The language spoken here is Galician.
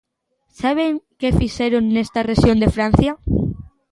¿Saben que fixeron nesta rexión de Francia?